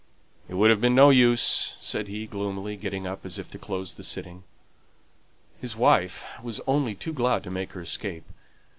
"It would have been of no use!" said he, gloomily, getting up as if to close the sitting. His wife was only too glad to make her escape.